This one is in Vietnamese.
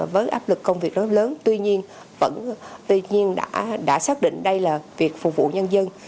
với áp lực công việc rất lớn tuy nhiên đã xác định đây là việc phục vụ nhân dân